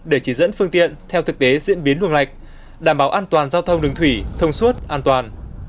để chỉ dẫn phương tiện theo thực tế diễn biến luồng lạch đảm bảo an toàn giao thông đường thủy thông suốt an toàn